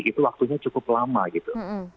itu waktunya cukup lama gitu